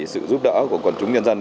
sự giúp đỡ của quân chúng nhân dân